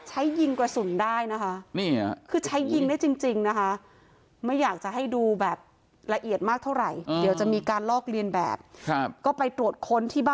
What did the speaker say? ไม่ได้เอากลับไปด้วยไม่ได้เอากลับฯ